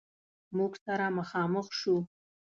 موږ سره مخامخ شو.